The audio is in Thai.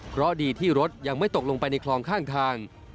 เพราะดีที่รถยังไม่ตกลงไปในคลองข้างทาง